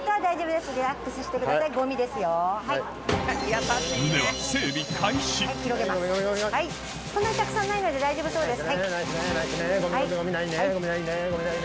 ではそんなにたくさんないので大丈夫そうです。